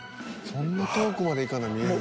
［そんな遠くまで行かな見えへん］